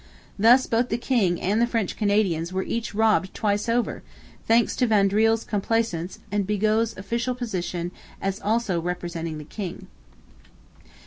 Thus both the king and the French Canadians were each robbed twice over, thanks to Vaudreuil's complaisance and Bigot's official position as also representing the king.